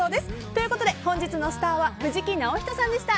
ということで、本日のスターは藤木直人さんでした。